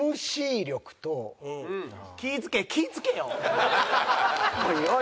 気ぃつけ気ぃつけよ。